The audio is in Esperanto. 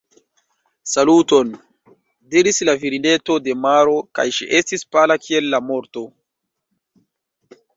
« Saluton », diris la virineto de maro kaj ŝi estis pala kiel la morto.